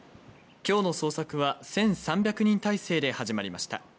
今日の捜索は１３００人態勢で始まりました。